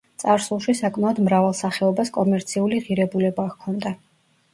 წარსულში საკმაოდ მრავალ სახეობას კომერციული ღირებულება ჰქონდა.